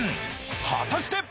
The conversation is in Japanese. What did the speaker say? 果たして！？